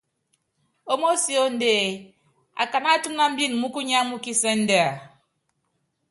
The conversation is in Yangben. Ómósíóndée, akáná atúnámbini mukunya múkisɛ́ndɛa?